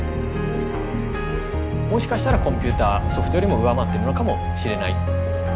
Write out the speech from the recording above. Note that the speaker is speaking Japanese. もしかしたらコンピューターソフトよりも上回ってるのかもしれない。